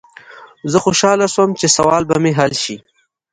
زه خوشحاله شوم چې سوال به مې حل شي.